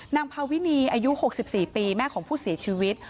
นางพาวินีอายุ๖๔ปีแม่ของผู้เสียชีวิต